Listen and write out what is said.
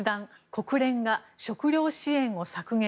国連が食料支援を削減。